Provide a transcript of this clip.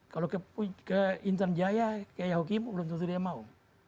kalau ke internjaya ke yahukimu belum tentu dia mau